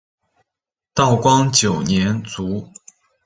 道光九年卒。